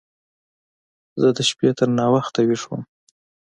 زه د شپې تر ناوخته ويښ وم.